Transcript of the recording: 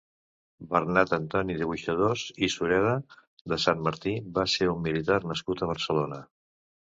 Bernat Antoni de Boixadors i Sureda de Sant Martí va ser un militar nascut a Barcelona.